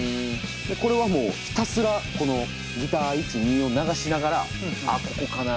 これはもうひたすらこのギター１２を流しながらあっここかな？